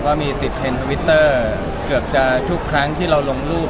ว่ามีติดเทรนด์ทวิตเตอร์เกือบจะทุกครั้งที่เราลงรูป